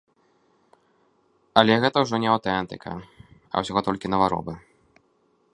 Але гэта ўжо не аўтэнтыка, а ўсяго толькі наваробы.